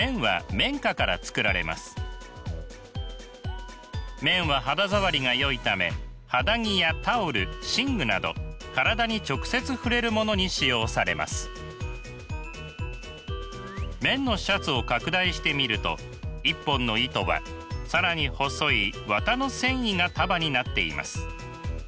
綿のシャツを拡大してみると一本の糸は更に細い綿の繊維が束になっています。